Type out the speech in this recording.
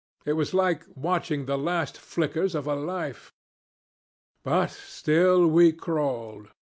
It was like watching the last flickers of a life. But still we crawled.